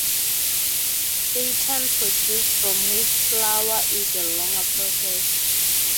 Seitan produced from wheat flour is a longer process.